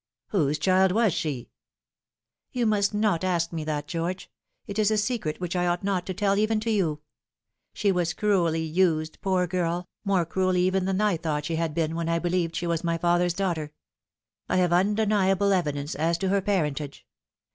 " Whose child was she ?"" You must not ask me that, George. It is a secret which I ought not to tell even to you. She was cruelly used, poor girl, more cruelly even than I thought she had been when I believed she was my father's daughter. I have undeniable evidence as to her parentage.